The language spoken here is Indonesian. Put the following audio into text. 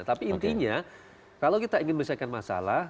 tapi intinya kalau kita ingin menyelesaikan masalah